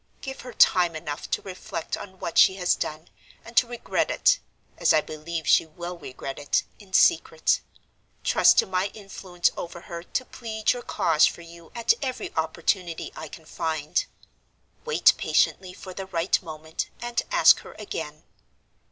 Give her time enough to reflect on what she has done, and to regret it (as I believe she will regret it) in secret; trust to my influence over her to plead your cause for you at every opportunity I can find; wait patiently for the right moment, and ask her again.